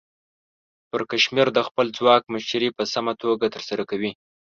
پرکمشر د خپل ځواک مشري په سمه توګه ترسره کوي.